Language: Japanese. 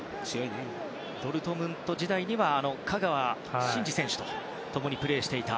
ドルトムント時代には香川選手と共にプレーしていました。